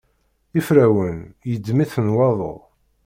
Iferrawen yeddem-ten waḍu.